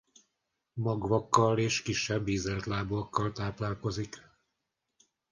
Magvakkal és kisebb ízeltlábúakkal táplálkozik.